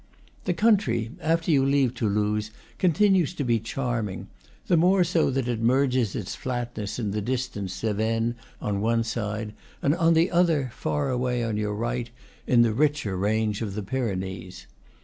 The country, after you leave Toulouse, continues to be charming; the more so that it merges its flatness in the distant Cevennes on one side, and on the other, far away on your right, in the richer range of the Pyrenees.